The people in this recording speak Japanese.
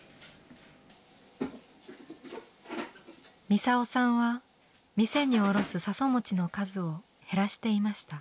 ミサオさんは店に卸す笹餅の数を減らしていました。